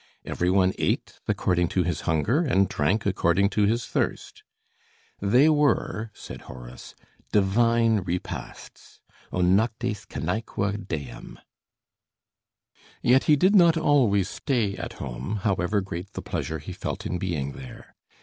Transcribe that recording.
Every one ate according to his hunger and drank according to his thirst. "They were," said Horace, "divine repasts" ("O noctes cenæque Deum"). Yet he did not always stay at home, however great the pleasure he felt in being there.